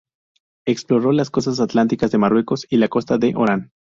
Exploró las costas atlánticas de Marruecos y la costa de Orán.